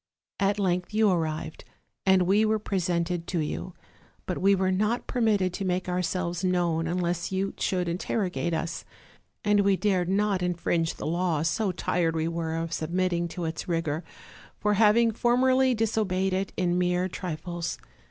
"At length you arrived, and we were presented to you; but we were not permitted to make ourselves known un less you should interrogate us; and we dared not infringe the law, so tired we were of submitting to its rigor, for having formerly disobeyed it in mere trifles.